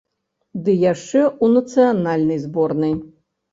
Ды яшчэ ў нацыянальнай зборнай!